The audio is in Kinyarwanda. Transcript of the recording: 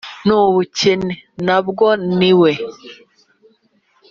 n’ubukene, na bwo ni we